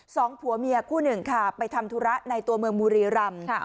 สองผัวเมียคู่หนึ่งค่ะไปทำธุระในตัวเมืองบุรีรำ